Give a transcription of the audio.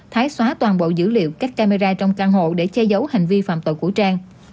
thái xóa toàn bộ dữ liệu các camera trong căn hộ để che giấu hành vi phạm tội của trang